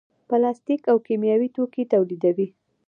پلاستیک او کیمیاوي توکي تولیدوي.